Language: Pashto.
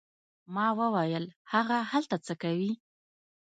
ما وویل: هغه هلته څه کوي؟